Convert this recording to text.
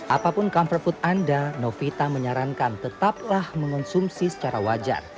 apapun comfort food anda novita menyarankan tetaplah mengonsumsi secara wajar